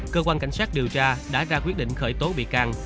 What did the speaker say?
cơ quan cảnh sát điều tra đã ra quyết định khởi tố bị can